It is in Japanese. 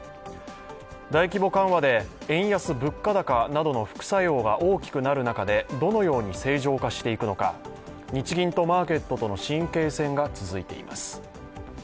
大規模緩和で円安・物価高などの副作用が大きくなる中でどのように正常化していくのか、日銀とマーケットとの神経戦が続いています。